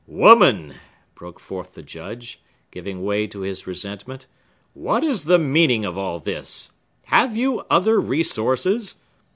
"Woman!" broke forth the Judge, giving way to his resentment, "what is the meaning of all this? Have you other resources?